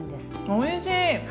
おいしい！